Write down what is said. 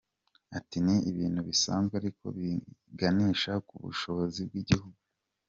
Ati “Ni ibintu bisanzwe ariko biganisha ku bushobozi bw’igihugu.